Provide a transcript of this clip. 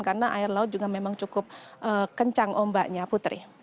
karena air laut juga memang cukup kencang ombaknya putri